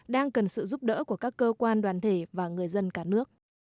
đang cần sự giúp đỡ của các cơ quan đoàn thể và người dân cả nước